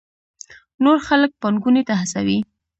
نور خلک پانګونې ته هڅوي.